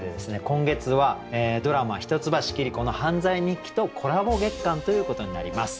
今月はドラマ「一橋桐子の犯罪日記」とコラボ月間ということになります。